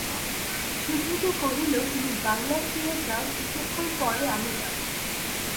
সুধীরকে কহিল, তুমি বাংলায় ফিরে যাও, কিছুক্ষণ পরে আমি যাব।